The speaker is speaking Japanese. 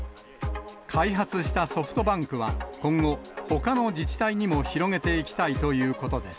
開発したソフトバンクは、今後、ほかの自治体にも広げていきたいということです。